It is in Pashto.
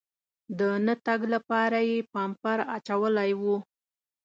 د نه تګ لپاره یې پامپر اچولی و.